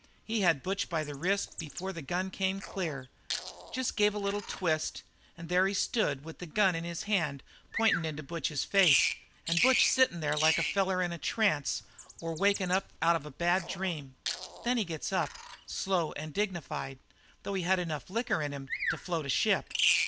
He had Butch by the wrist before the gun came clear just gave a little twist and there he stood with the gun in his hand pointin' into Butch's face, and Butch sittin' there like a feller in a trance or wakin' up out of a bad dream. "Then he gets up, slow and dignified, though he had enough liquor in him to float a ship.